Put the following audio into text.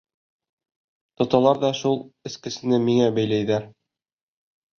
Тоталар ҙа шул эскесене миңә бәйләйҙәр.